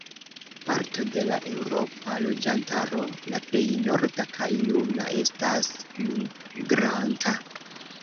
Parto de la eŭropa loĝantaro -la plej norda kaj juna- estas migranta.